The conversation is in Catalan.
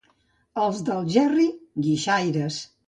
Els d'Algerri, guixaires.